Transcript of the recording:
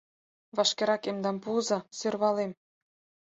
— Вашкерак эмдам пуыза, — сӧрвалем.